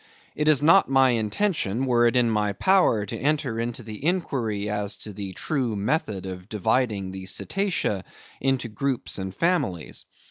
"It is not my intention, were it in my power, to enter into the inquiry as to the true method of dividing the cetacea into groups and families.